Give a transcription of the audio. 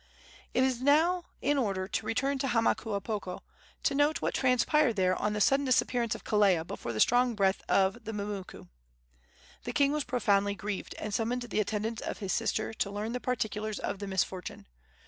It is now in order to return to Hamakuapoko, to note what transpired there on the sudden disappearance of Kelea before the strong breath of the mumuku. The king was profoundly grieved, and summoned the attendants of his sister to learn the particulars of the misfortune.